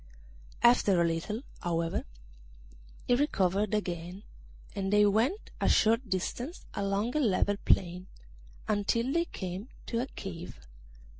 After a little, however, he recovered again, and they went a short distance along a level plain, until they came to a cave.